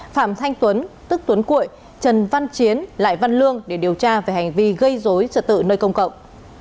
phạm thanh tuấn tức tuấn cuội trần văn chiến lại văn lương để điều tra về hành vi gây dối trật tự nơi công cộng